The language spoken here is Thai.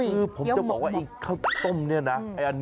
คือผมจะบอกว่าไอ้ข้าวต้มเนี่ยนะ